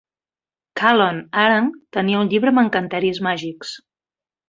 Calon Arang tenia un llibre amb encanteris màgics.